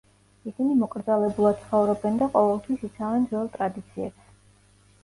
ისინი მოკრძალებულად ცხოვრობენ და ყოველთვის იცავენ ძველ ტრადიციებს.